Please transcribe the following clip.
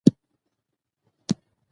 زده کوونکي باید یووالی ولري.